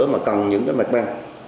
mà cầm những cái mạch băng